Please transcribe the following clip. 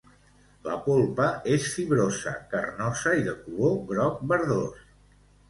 La polpa és fibrosa, carnosa i de color groc verdós.